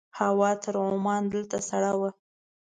هوا تر عمان دلته سړه وه.